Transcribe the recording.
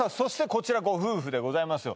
こちらご夫婦でございますよ